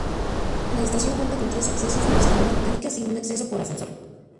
La estación cuenta con tres accesos por escaleras mecánicas y un acceso por ascensor.